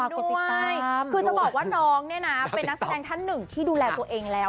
ด้วยคือจะบอกว่าน้องเนี่ยนะเป็นนักแสดงท่านหนึ่งที่ดูแลตัวเองแล้ว